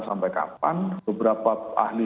sampai kapan beberapa ahli